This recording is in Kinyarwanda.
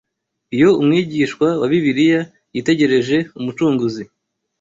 Iyo umwigishwa wa Bibiliya yitegereje Umucunguzi